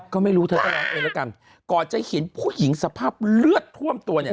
ก็ไม่รู้เธอก็ร้องเองแล้วกันก่อนจะเห็นผู้หญิงสภาพเลือดท่วมตัวเนี่ย